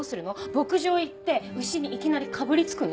牧場行って牛にいきなりかぶりつくの？